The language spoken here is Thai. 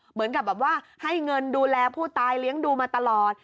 เหมือนกับแบบว่าให้เงินดูแลผู้ตายเลี้ยงดูมาตลอด